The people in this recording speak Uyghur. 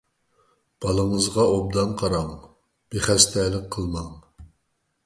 بالىڭىزغا ئوبدان قاراڭ، بىخەستەلىك قىلماڭ.